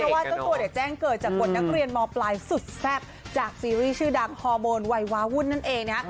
ว่าเจ้าตัวเนี่ยแจ้งเกิดจากบทนักเรียนมปลายสุดแซ่บจากซีรีส์ชื่อดังฮอร์โมนวัยวาวุ่นนั่นเองนะ